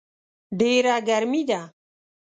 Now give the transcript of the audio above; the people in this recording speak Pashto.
ډېره ګرمي ده